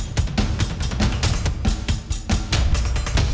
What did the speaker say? apa pun jika dia bikin sayacjon